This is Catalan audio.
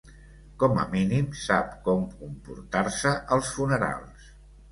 Com a mínim sap com comportar-se als funerals.